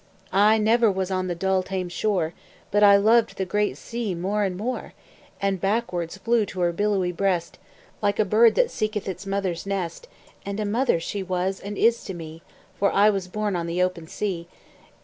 I never was on the dull, tame shore, But I loved the great Sea more and more, And backwards flew to her billowy breast, Like a bird that seeketh its mother's nest; And a mother she was and is to me; For I was born on the open Sea.